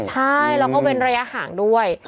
ใช่แล้วก็เว้นระยะห่างด้วย